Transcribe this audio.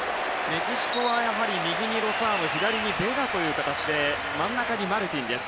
メキシコは、やはり右にロサーノ左にベガという形で真ん中にマルティンです。